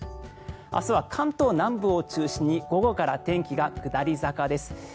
明日は関東南部を中心に午後から天気が下り坂です。